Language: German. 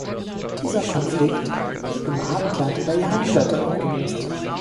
Dieser Konflikt blieb im Abendland über Jahrhunderte ungelöst.